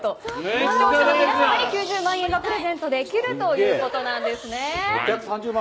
視聴者の皆さんに９０万円がプレゼントできるということです。